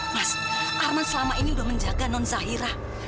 mas arman selama ini sudah menjaga non zahira